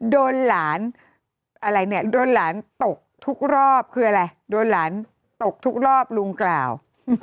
โดนหลานตกทุกรอบคืออะไรโดนหลานตกทุกรอบลุงกล่าว